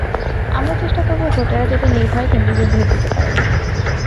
আমরা চেষ্টা করব, ভোটাররা যাতে নির্ভয়ে কেন্দ্রে গিয়ে ভোট দিতে পারেন।